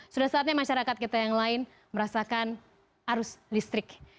sudah saatnya masyarakat kita yang lain merasakan arus listrik